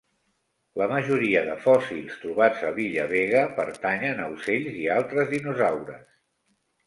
La majoria de fòssils trobats a l'illa Vega pertanyen a ocells i altres dinosaures.